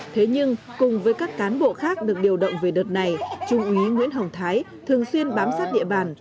thế nhưng cùng với các cán bộ khác được điều động về đợt này trung úy nguyễn hồng thái thường xuyên bám sát địa bàn